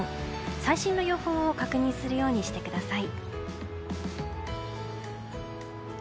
最新の予報を確認するようにしてください。